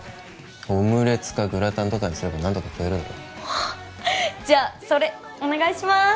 オムレツかグラタンとかにすれば何とか食えるだろじゃそれお願いしまーす